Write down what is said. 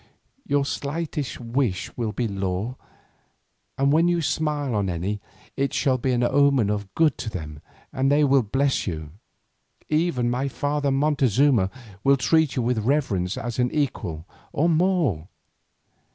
Your slightest wish will be a law, and when you smile on any, it shall be an omen of good to them and they will bless you; even my father Montezuma will treat you with reverence as an equal or more.